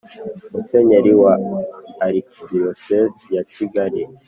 Musenyeri wa Arikidiyosezi ya Kigali